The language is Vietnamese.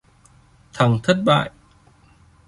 thằng thất bại